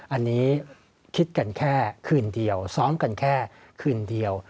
อันนี้คิดกันแค่คืนเดียวซ้อมกันแค่คืนเดียว